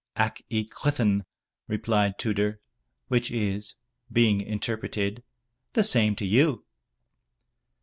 "Ac i chwithan!" replied Tudur, which is, being interpreted, "The same to you!"